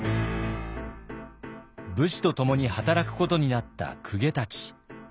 武士とともに働くことになった公家たち。